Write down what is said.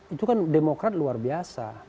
itu kan demokrat luar biasa